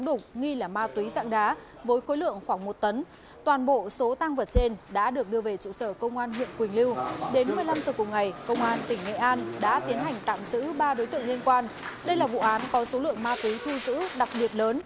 đây là vụ án có số lượng ma túy thu giữ đặc biệt lớn